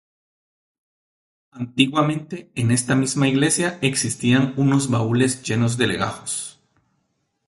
Antiguamente en esta misma iglesia existían unos baúles llenos de legajos.